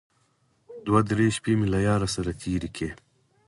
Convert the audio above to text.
دوه درې شپې مې له ياره سره تېرې کړې.